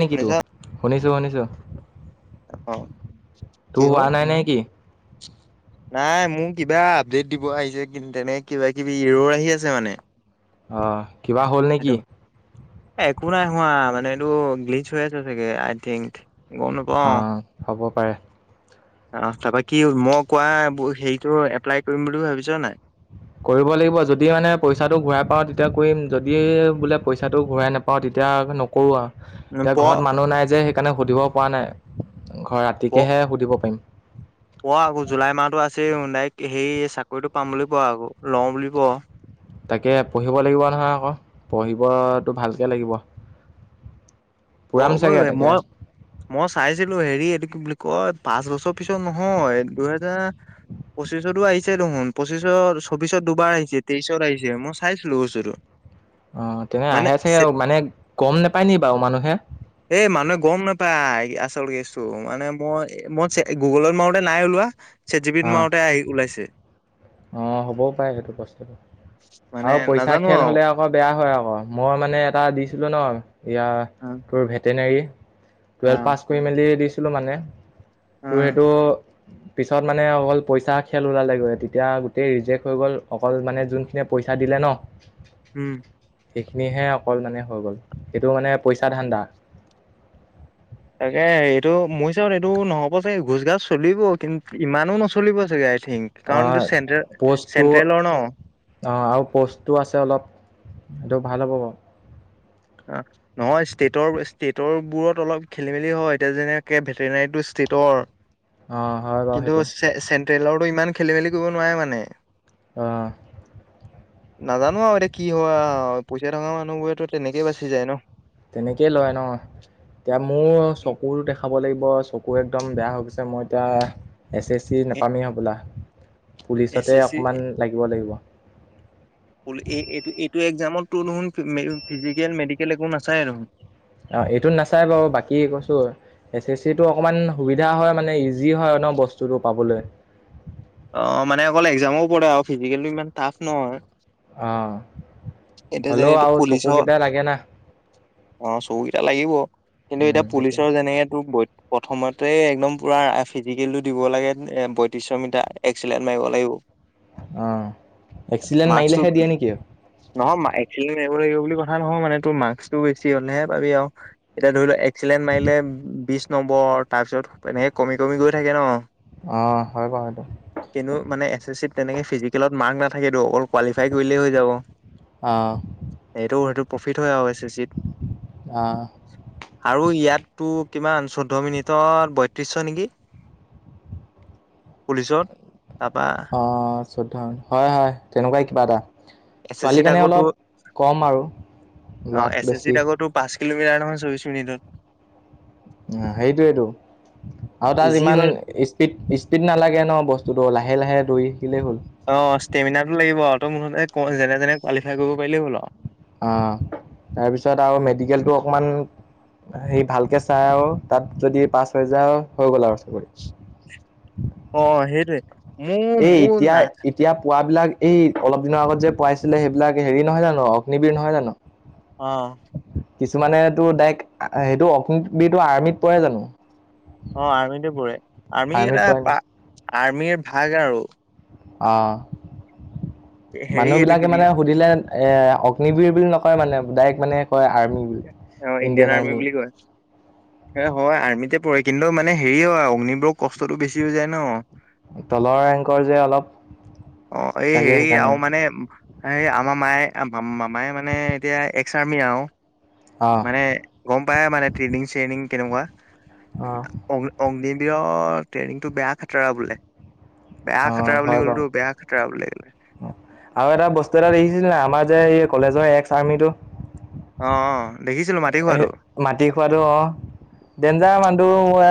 নেকি তো শুনিছা শুনিছো শুনিছো অ কি তোৰ হোৱা হ'ল নাই নাই কিি নাই মোৰ কিবা আপডেট দিব আহিছে কি তেনেক কিবা কিবি ইৰৰ আহি আছে মানে। অহ, কিবা হ'ল নেকি? সেইটো একো নাই হোৱা মানে এইটো গ্লিচ হৈ আছে চাগে আই থিংক। গম নাপাও অ, হ'ব পাৰে। অ, তাৰাপা কি মই কোৱা হেৰিটো এপ্লাই কৰিম বুলি ভাবিছ নাই। কৰিব লাগিব যদি মানে পইচাটো ঘূৰাই পাও তেতিয়া কৰিম যদি বোলে পইচাটো ঘূৰাই নোপাওঁ তেতিয়া ত্যাগ নকৰো আৰু এতিয়া প ঘৰত মানুহ নাই যে সেইকাৰণে সুধিব পৰা নাই ঘৰ ৰাতিকেহে সুধিব পাৰিম। ক আকৌ জুলাই মাহতো আছে নাই সেই। চাকৰিতটো পাম বুলি কোৱা আকৌ লও বুলি কোৱা। তাকে পঢ়িব লাগিব নহয় আকৌ পঢ়িবতো ভালকে লাগিব। অ, পুৰাম মই চাগে - তাকে মই - মই চাইছিলো হেৰি এইটো কি বুলি কয় পাচ বছৰ পিছত নহয় দুহেজাৰ পচিছতো আহিছে দেখোন পচিছৰ চৌবিশৰ দুবাৰ আহিছে তেইশৰ আহিছে মই চাইছিলো বস্তুটো। অ, তেনে মানে আহে চে মানে গম নোপায় নি বাৰু। মানুহে এ মানুহে গম নোপায় আচল কেচটো মানে মই মই গুগলত মাৰতে নাই ওলোৱা। চেট জীবিন মাৰোতে আহি ওলাইছে। অ, হ'বও পাৰে সেইটো বস্তু। মানে আৰু পইচা নাজানো খেল আৰু হলে আকৌ বেগয়া হয় আকৌ মই মানে এটা দিছিলো ন। ইয়া অ', তোৰ ভেটেনেৰী টুৱেলভ পাছ কৰি মেলি দিছ মানে তোৰ অ', সেইটো পিছত মানে অকল পইচা খেল ওলালেগৈ। এতিয়া গোটেই ৰিজেক্ট হৈ গ'ল অকল মানে যোনখিনিয়ে পইচা দিলে ন। উম। সেইখিনিহে অকল মানে হৈ গ'ল সেইটো মানে পইচা ধান্দা। তাকে এইটো মোৰ ওাত এইটো নহ'ব চাগে ঘোচ গছ চলিব কিন্তু ইমানো নচলিব চাগে। থং কাৰণ ত চেন্ট্ৰেল - চেন্ট্ৰেলৰ ন। অ, আৰু প'ষ্টটো আছে অলপ সেইটো ভাল হ'ব বাৰু। অ, নহয় ষ্টেটৰ -ষ্টেটৰ বোৰত অলপ খেলি মেলি হয় এতিয়া যেনেকে ভেটেনাৰীটো ষ্টেটৰ অঁ হয় বাৰু কিন্তু সেইটো চেন্ট্ৰেলৰো ইমান খেলি মেলি কৰিব নোৱাৰে মানে। অহ ', নাজানো আৰু এতিয়া কি হয় পইচা থকা মানুহবোৰে তেনেকে পাই তেনেকেই লয় ন এতিয়া মোৰ চকুটো দেখাব লাগিব চকু এক। একদম বেয়া হৈ গৈছে মই এতিয়া এছ এ চি এছ নাপামেই হ'বোলা। এছ পুলিচতে চি অকমান লাগিব- লাগিব। এই এইটো এক্জামতো দেখোন ফিজিকেল মেডিকেল একো নাচায় দেখোন। অ এইটো নাচাই বাৰু বাকী কৈছো। এছ এ চিটো অকণমান সুবিধা হয় মানে ইজি হয় ন বস্তুটো পাবলৈ। অ, মানে অকল এক্জামো পৰে আৰু ফিজিকেল ইমান টাফ নহয়। অ, এতিয়া হ'লেও যেনেটো আৰু চকু পুলিচৰ কেইটা লাগে না। অ চকু কেইটা লাগিব কিন্তু উম এতিয়া সেইটোৱে পুলিচৰ যেনেকে তোৰ প্ৰথমত ত' একদম পুৰা ফিজিকেলটো দিব লাগে এ বয়ত্ৰিশ মিটাৰ এক্সিলেট মাৰিব লাগিব। আহ, এক্সিলেণ্ট মাৰ্কচটো মাৰিলেহে দিয়ে নেকি অ, নহয় একেলি মাৰিব লাগিব বুলি কথা নহয় মানে তোৰ মাৰ্কসটো বেছি হ'লেহে পাবি আৰু এতিয়া ধৰি লোৱা চিলেণ্ট মাৰিলে বিশ নম্বৰ তাৰপিছত এনেকে কমি কমি গৈ থাকে ন। অ, হয় বাৰ সেইটো। কিন্তু মানে এছ এছ চিত তেনেকে ফিজিকেলত মাৰ্ক নাথাকেতো অকল কোৱালিফাই কৰিলেই হৈ যাব অঁ এইটো সে প্ৰফিট হয় এচ চি চিত অঁ আৰু ইয়াত তটো কিমান চৈধ্য মিনিটত বৈত্ৰিশ নেকি? পুলিচত তাপা অঁ চৈধ্য হয়-হয় তেনেকুৱাই কিবা এটা। এছ এছ চিত ছোৱালী কাৰণে আকৌ তোৰ অলপ কম আৰু লৰাত বেছি। কিলোমিটৰ আ, চৌবিচ মিনিটত উ, সেইটোৱেটো। আৰু তাত ইজি ইমান হয়। স্পিড-স্পিড নালাগে ন বস্তুতো লাহে-লাহে দৌৰি থাকিলেই হ'ল অ' ষ্টেমিনাটো লাগিব আৰু তই মুঠতে যেনে তেনে কোৱালিফাই কৰিব পাৰিলেই হ'ল আৰু। অ', তাৰপিছত আৰু মেডিকেলটো অকমান সেই ভালকে চাই আৰু তাত যদি পাঁচ হজাৰ হৈ গ'ল আৰু চাকৰি। অ' সেইটোৱে। মোৰ এই মোৰ না এতিয়া-এতিয়া পোৱাবিলাক এই অলপ দিনৰ আগত যে পাইছিলে, সেইবিলাক হেৰি নহয় জানো অগ্নিবিৰ নহয় জানো। অ', কিছুমানে ডাইক সেইটো অগনি আৰ্মিত পোৱাই জানো। অ' আৰমিতো পৰে আৰ্মি আৰ্মিত এটা পৰে প নেকি আৰ্মিৰ ভাগ আৰু অ' হেৰি মানুহ এইটো কি বিলাকে বুলি মানে সুধিলে এ অগ্নিবীৰ বুলি নকয় নকয় মানে ডাইৰেক্ট মানে কয় আৰ্মি বুলি অ' ইণ্ডিয়ান আৰ্মি বুলি কয় হয় আৰ্মিতে পোৱা। কিন্তু মানে হেৰি হয় অগ্নিবোৰক কষ্টটো বেছি হৈ যায় ন। তলৰ ৰেংকৰ যে অলপ। অ' এই চাগে হেৰি আ, সেইকাৰণে মানে এই আমাৰ মায়ে মামায় মানে এতিয়া এক্সাৰ্মি আৰু অ মানে গম পায় মানে ট্ৰেইনিং-চ্ৰেইনিং কেনেকুৱা অ অগ্নি-অগ্নি, বি ট্ৰেইনিংটো বেয়া খাটৰা বোলে। বেয়া অ' খাটাৰা বুলি হয় ক'লতো বেয়া খাটাৰা বুলি ক'লে বাৰু আৰু এটা বস্তু এটা দেখিছিল ন আমাৰ যে এই কলেজৰ এক্স আৰ্মিটো। অ', দেখিছিলো মাটি খোৱাটো মাটি খোৱাটো অ' ডেঞ্জাৰ মানুহ বে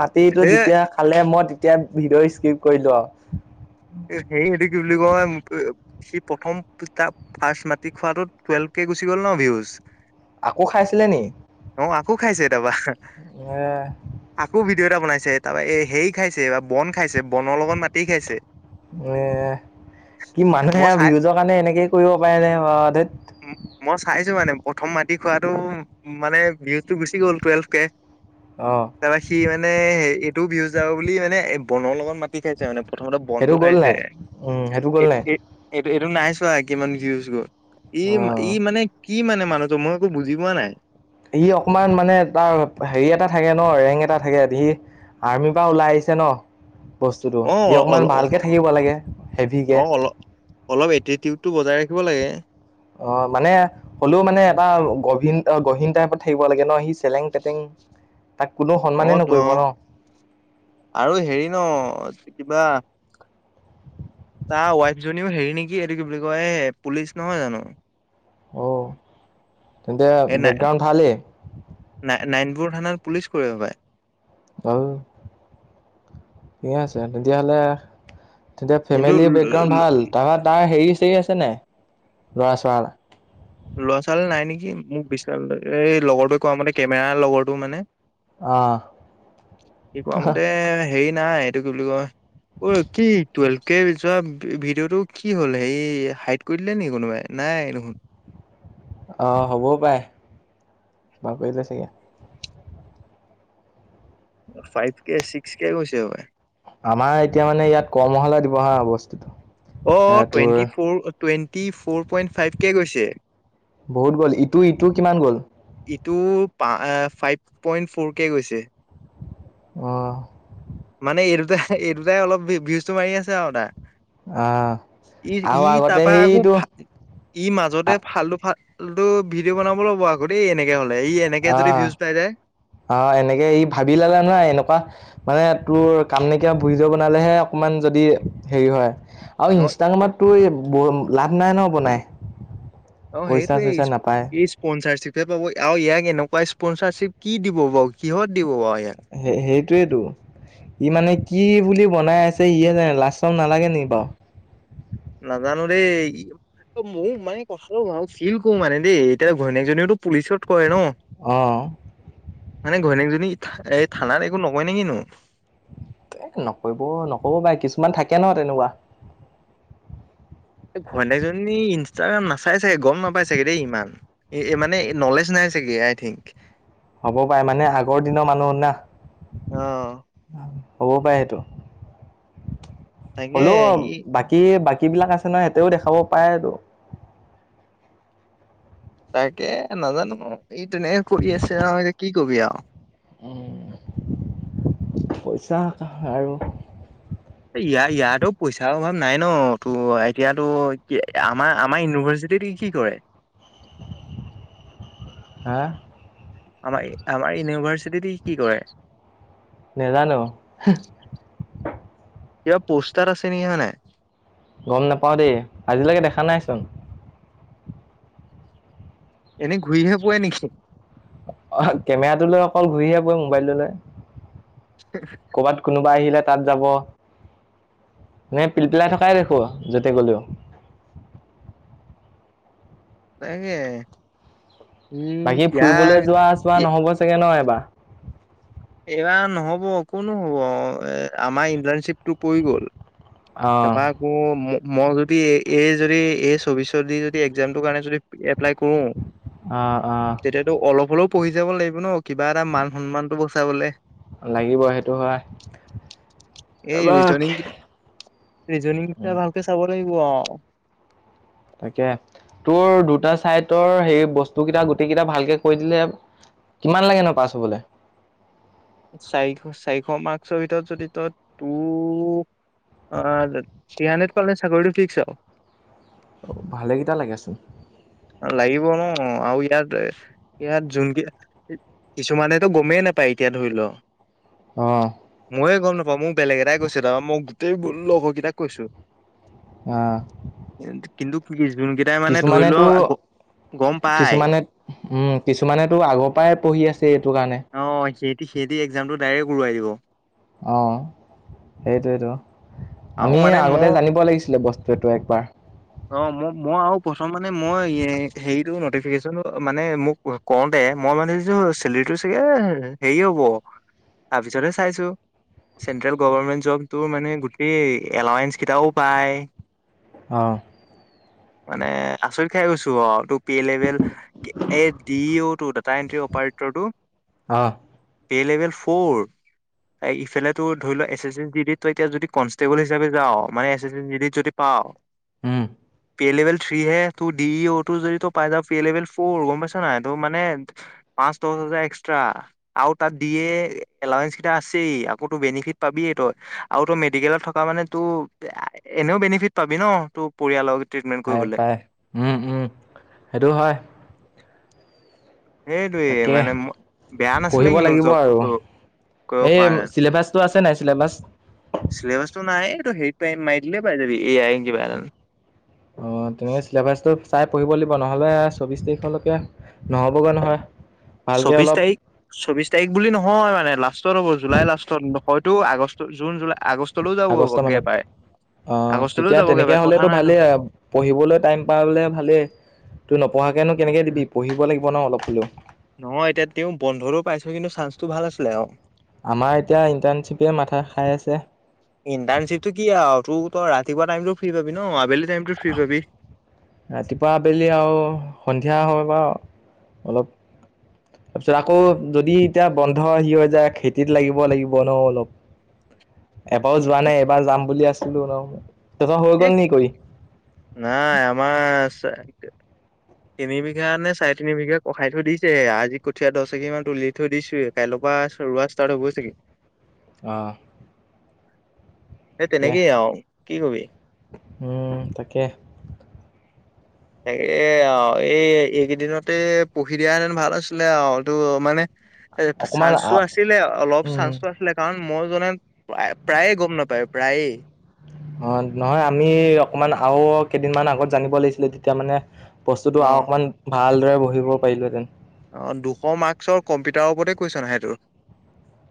মাটিটো এ যেতিয়া খালে মই তেতিয়া ভিডিঅ' স্কিপ কৰিলো আৰু। সেই এইটো কি বুলি কয়? সি প্ৰথম ফাৰ্ষ মাটি খোৱাটো টুৱেল্ভ কে গুচি গ'ল ন ভউজ। আকৌ খাইছিলে নি? অ, আকৌ খাইছে তা পা এ আকৌ ভি দেউ এটা বনাইছে তাৰপা এই হেৰি খাইছে বা বন খাইছে বনৰ লগত মাটি খাইছে। এ কি মানুহে মই চাই ভিউউজৰ কাৰণে এনেকে কৰিব পাৰে নে ধেৎ। মই চাইছো মানে প্ৰথম মাটি খোৱাতটো মানে ভজটো গুচি গ'ল টুৱেলভ কে। অ তাৰপৰা সি মানে সে এইটো ভিউজ যাব বুলি মানে বনৰ লগত মাতি খাইছে মানে। প্ৰথমতে বনটো সেইটো গ'ল খাইছে। নাই উম সেইটো গ'ল নাই এইটো নাই চোৱা কিমান ভিউজ গল অ ই-ই মানে কি মানে মানুহটো মই একো বুজি পোৱা নাই সি অকমান মানে তাৰ হেৰি এটা থাকে ন ৰেং এটা থাকে সি। আৰ্মিৰ পৰা ওলাই আহিছে ন। বস্তুটো অ অ সি অ অকণমান অ ভালকৈ থাকিব লাগে হেভিকে। অ থাকিব লাগে। অ' মানে হ'লেও মানে এটা গভিন গভীন টাইপত থাকিব লাগে ন সি চেলেং-পেতেং অ' তো আৰু হেৰি ন কিবা তাৰ ৱাইফ জনীও হেৰি নেকি এইটো কি বুলি কয় এ পুলিচ নহয় জানো অ তেন্তে এই নাই বেকগ্ৰাউণ্ড ভালেই তোৰ থানাত পুলিচ কৰে সপাই আহ ঠিক আছে তেতিয়াহলে তেতিয়া কিন্তু ফেমিলি বেকগ্ৰাউড ভাল তাৰপৰা তাৰ হেৰি ঠিক আছে নাই ল'ৰা ছোৱ ল'ৰা ছোৱালী নাই নেকি মোক বিশ এই লগৰটোৱে কোৱা মতে কেমেৰা লগৰটো মানে অঁ কি কোৱা মতে হেৰি নাই এইটো কি বুলি কয় অ কি টুৱেলভ কে যোৱা ভিডিঅ'টো কি হ'ল হে হাইট কৰি দিলে নেকি কোনোবাই নাই নাই নখোন আহ হ'বও পাই বাকলে চাগে ফাইভ কে ছিক্স কে কৈছেব আমাৰ এতিয়া মানে ইয়াত কল মহালা দিবহা বস্তুটো অ এ তোৰ টুৱেণ্টি ফৰ টুৱেটি পই ফভ কে গৈ বহুত গ'ল ইটো ইটো কিমান গ'ল টো ফাইভ পইন্ট ফ'ৰ কে গৈছে আহ মানে এই দুটাই এই দুটাই অলপ ভউজটো মাৰি আছে আৰু তাৰ আহ ই আৰু ই আগতে তাৰপা আকৌ সেইটো ই মাজতে ফাল্টো ফাল টো ভিডিঅ বনাব ল'ব আকৌ ই এনেকে হ'ল অ অ এনেকে ই ভাবি লালে নহয় এনেকুৱা মানে তোৰ কাম নকিয়া ভুৰি য বনালেহে অকমান যদি হেৰি হয় আৰু অ', ইনষ্টাগ্ৰামতো লাভ নাই ন বনাই অ পইচা সেইটোৱেই চইচা নাপায় এই স্পচাৰশিপ পাব আৰু ইয়াক এনেকুৱা স্পনচাৰশ্বিপ কি দিব বাৰু কিহত দিব বাৰু ইয়াক। সেই সেইটোৱেইতো ই মানে কি বুলি বনাই আছে ইয়ে জানে লাচ চৰম নালাগে নেকি বাও নাজানো দেই ত মোৰ মানে কথাটো ভাবোঁ, ফিল কৰো মানে দেই এতিয়া ঘৈণীয়েকজনীওতো পুলিচত কৰে ন অহ মানে ঘৈণীয়েকজনী এই থানাত একো নকয় নেকিনো এ নকৰিব নকব বাই কিছুমান থাকে ন তেনেকুৱা ঘৈনীয়েকজনী ইনষ্টাগ্ৰাম নাচাই চাগে গম নাপাই চাগে দেই ইমান এ মানে নলেজ নাই চাগে আই থিংক হ'ব পাৰে মানে আগৰ দিনৰ মানুহ না অ হ'ব পাৰে সেইটো তাকে হ'লো ই বাকী বাক বাকী বিলাক আছে নহয় সেতেও দেখাব পাৰে টো তাকে নাজানো ন এই তেনেকে কৰি আছে আও এতিয়া কি কবি আও উম পইচা আৰু ইয়াৰ ইয়াতো পইচাৰ অভাৱ নাই ন ত এতিয়াতো কি আমাৰ আমাৰ ইউনিভাৰ্চি ৰ্চিটিত ই কি কৰে হে আমাৰ আমাৰ ইউনিভাৰ্চিটি ই কি কৰে নেজানো ইয়াৰ পোষ্টাত আছে নি হয় নাই গম নাপাওঁ দেই আজিলৈকে দেখা নাইচোন এনেই ঘূৰিহে পোৱে নেকি অ কেমেৰাটোলৈ অকল ঘূৰিহে ফুৰে মোবাইলটোলৈ ক'ৰবাত কোনোবা আহিলে তাত যাব নে পিলপিলাই থকাই দেখো যতে গ'লেও। তাকে ই বাকী ইয়াৰ ফুৰিবলৈ যোৱা-চোৱা নহ'ব চাগে ন' এবাৰ? এইবাৰ নহ'ব, একো নহ'ব আও। এ-আমাৰ ইন্টাৰ্ণশ্বিপটো পৰি গ'ল। অ তাপা আকৌ ম-মই যদি এই-এই যদি এই চৌবিশৰ দি যদি এক্জামটোৰ কাৰণে যদি এপ্লাই কৰো, অ অ তেতিয়াতো অলপ-অলপ পঢ়ি যাব লাগিব ন'? কিবা এটা মান-সন্মানটো বচাবলে। লাগিব সেইটো হয়। এই [unintelligible] ৰিজনিং ৰিজনিং কেইটা উম ভালকে চাব লাগিব আও। তাকে। তোৰ দুটা চাইটৰ হেৰি বস্তু কেইটা, গোটেই কেইটা ভালকে কৈ দিলে কিমান লাগেনো পাছ হ'বলে? চাৰিশ-চাৰিশ মাৰ্ক্সৰ ভিতৰত যদি তই টু পা [unintelligible] থ্ৰী হানড্ৰেড পালে চাকৰিটো ফিক্স আও। ভালেগিটা লাগেচোন! লাগিবও ন! আৰু ইয়াত-এ-ইয়াত যোনকে, কিছুমানেতো গমেই নেপ পাইকিয়া ধৰি ল। অ'। মইয়ে গম নাপাওঁ, মোক বেলেগ এটাই কৈছে। তাৰপা মই গোটেইবোৰ লগৰকেইটাক কৈছো। আহ। কিন্তু কিন্তু কি যোনকেইটাই মানে ধৰি ল', কিছুমানে উম, কিছুমানেতো আগৰ পৰাই পঢ়ি আছে এইটো কাৰণে। সেহতি-সেহতি এক্সামটো ডাইৰেক্ট উৰুৱাই দিব। অ', সেইটোৱেইতো। আৰু আমি মানে আগতে মই জানিব লাগিছিলে বস্তু সেইটো একবাৰ। অ, মো-মোৰ আও প্ৰথম মানে মই এ-হেৰিটো নটিফিকেশচন মানে মোক ও-কওঁতে এ মই মানে ভাবিছো, চেলেৰিটো চাগে-এ হেৰি হ'ব, তাৰপিছতহে চাইছো। চেন্ট্ৰেল গভৰমেণ্ট জবটো মানে গোটেই এলাৱেঞ্চ কেইটাও পায়। অ'। মানে আচৰিত খাই গৈছো আও, তোৰ পে লেভেল এ দি ওতো তাত তা এন্ত্ৰী অপাৰেতৰটো অহ। Pay level four. এ ইফালেতো ধৰি লোৱা এছ এছ এ ডি ডিত তই এতিয়া যদি কনষ্টেবল হিচাপে যাওঁ, মানে এছ এছ এ ডি ডিত যদি পাওঁ, উম পে' লেভেল থ্ৰী হে, তো ডি ই অটো যদি তই পাই যা, পে' লেভেল ফ'ৰ, গম পাইছ নাই? ত মানে পাঁচ-দহ হাজাৰ এক্সট্ৰা, আৰু তাত দি এ এলাৱেঞ্চ কেইটা আছেই, আকৌতো বেনিফিট পাবিয়ে। ত, আৰু তই মেডিকেলত থকা মানে তোৰ আ-এনেও বেনিফিট পাবি ন'? তোৰ পৰিয়ালৰ। পায়-পায়। উম উম। সেইটো হয়। সেইটোৱেই তাকে মানে ম-বেয়া নাছিলে পঢ়িব কিন্তু, লাগিব জবটো আৰু ক এই চিলেবাছটো আছে নাই চিলেবাছ? চিলেবাছটো নাই, এটো হেৰিত পাই মাৰি দিলে পাই যাবি। এই আই। কিবা এটা অ' তেনেহ'লে চিলেবাছটো চাই পঢ়িব লাগিব, নহ'লে চৌবিছ তাৰিখলৈকে নহ'বগে নহয়। ভালকে চৌবিছ অলপ তাৰিখ! চৌবিছ তাৰিখ বুলি নহয় মানে। লাষ্টত হ'ব, জুলাই লাষ্টত। হয়তো আগষ্ট, জুন-জুলাই আগষ্টলৈও আগষ্ট যাবগে মানত পাৰে। অ' আগষ্টলৈও তেতিয়া যাবগে তেনেকে পাৰে কথা হ'লেতো নাইতো ভালেই। পঢ়িবলে টাইম পালে ভালেই। তই নপঢ়াকেনো কেনেকে দিবি? পঢ়িব লাগিব ন' অলপ হ'লেও। নহয় এতিয়া তেওঁ বন্ধটো পাইছো কিন্তু চান্সটো ভাল আছিলে আও। আমাৰ এতিয়া ইন্টাৰ্ণশ্বিপে মাথা খাই আছে। ইণ্টাৰ্ণশ্বিপটো কি আৰু তই ৰাতিপুৱা টাইমতটো ফ্ৰী পাবি ন'? আবেলি টাইমতটো ফ্ৰী পাবি। ৰাতিপুৱা আবেলি আও সন্ধিয়া হয় বাৰু অলপ। তাৰপিছত আকৌ যদি এতিয়া বন্ধ সি হৈ যাই, খেতিত লাগিব লাগিব ন' অলপ। [inaudible] এবাৰও যোৱা নাই এবাৰ যাম বুলি আছিলো অলপ নাই আমাৰ তিনি বিঘা নে চাৰে তিনি বিঘা কখাই থৈ দিছে আজি কঠীয়া দহ এঘি মান তুলি থৈ দিছো কাইলৈ ৰোৱা ষ্টাৰ্ট হ'বই ছাগে অহ সেই তেনেকেই আহ কি কবি উম তাকে তাকে আৰু এই এইকেইদিনতে পঢ়ি দিয়াহেতেন ভাল আছিলে আহ তো মানে অকমান আ চান্সটো আছিলে অলপ উম চান্সটো আছিলে কাৰণ মই জনাত প্ৰায় প্ৰায়ে গম নাপায় প্ৰায়ে অ নহয় আমি অকণমান আৰু কেইদিনমান আগত জানিব লাগিছিলে তেতিয়া মানে বস্তুতটো অ আওকণমান ভালদৰে বহিব পাৰিলোঁহেঁতেন অ দুশ মাৰ্কচৰ কম্পিউটাৰৰ ওপৰতে কুইছন আহে তোৰ